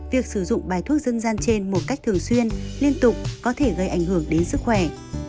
việc sử dụng bài thuốc dân gian trên một cách thường xuyên liên tục có thể gây ảnh hưởng đến sức khỏe